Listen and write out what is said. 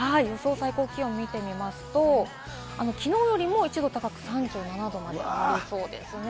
最高気温を見てみますと、きのうよりも１度高く３７度まで上がりそうです。